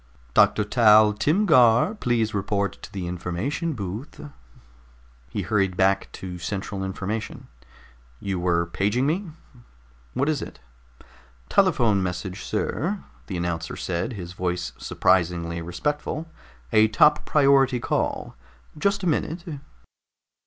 "Doctor Dal Timgar, please report to the information booth." He hurried back to central information. "You were paging me. What is it?" "Telephone message, sir," the announcer said, his voice surprisingly respectful. "A top priority call. Just a minute."